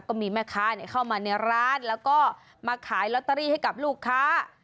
ก็มีแม่ค้าเข้ามาในร้านแล้วก็มาขายลอตเตอรี่ให้กับลูกค้า